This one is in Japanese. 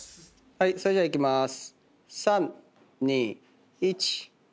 はいそれじゃあいきまーす。